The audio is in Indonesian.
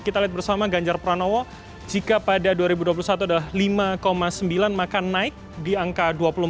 kita lihat bersama ganjar pranowo jika pada dua ribu dua puluh satu adalah lima sembilan maka naik di angka dua puluh empat